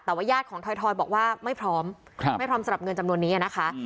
แต่ว่าญาติของถอยบอกว่าไม่พร้อมไม่พร้อมสำหรับเงินจำนวนนี้นะคะ